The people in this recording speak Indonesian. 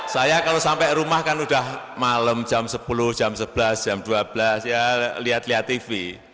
saya kalau sampai rumah kan udah malam jam sepuluh jam sebelas jam dua belas ya lihat lihat tv